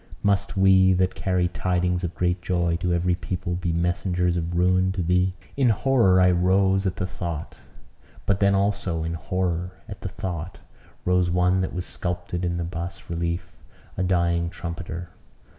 Must we, that carry tidings of great joy to every people, be messengers of ruin to thee?" In horror I rose at the thought; but then also, in horror at the thought, rose one that was sculptured on the bas relief a dying trumpeter.